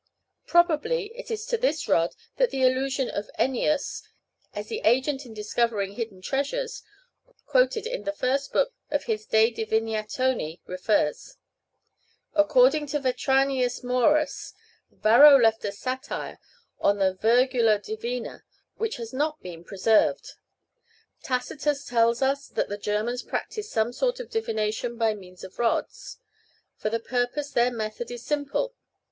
Probably it is to this rod that the allusion of Ennius, as the agent in discovering hidden treasures, quoted in the first book of his "De Divinatione," refers. According to Vetranius Maurus, Varro left a satire on the "Virgula divina," which has not been preserved. Tacitus tells us that the Germans practised some sort of divination by means of rods. "For the purpose their method is simple.